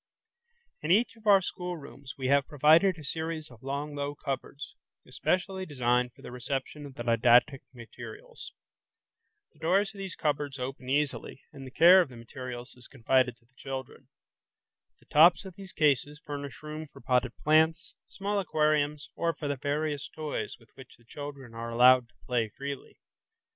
In each of our schoolrooms we have provided a series of long low cupboards, especially designed for the reception of the didactic materials. The doors of these cupboards open easily, and the care of the materials is confided to the children. The tops of these cases furnish room for potted plants, small aquariums, or for the various toys with which the children are allowed to play freely.